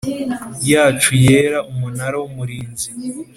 yacu yera Umunara w Umurinzi